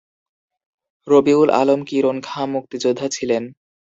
রবিউল আলম কিরণ খাঁ মুক্তিযোদ্ধা ছিলেন।